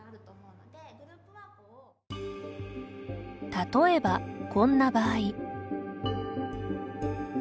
例えば、こんな場合。